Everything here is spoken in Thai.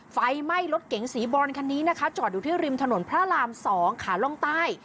ไฟไหม้รถเก๋งสีบรอนคันนี้นะคะจอดอยู่ที่ริมถนนพระราม๒ขาล่องใต้